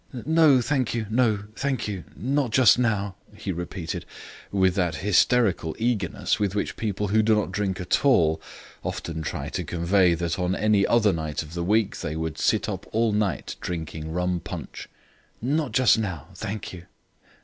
"No, thank you, no, thank you; not just now," he repeated with that hysterical eagerness with which people who do not drink at all often try to convey that on any other night of the week they would sit up all night drinking rum punch. "Not just now, thank you."